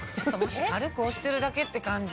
軽く押してるだけって感じ。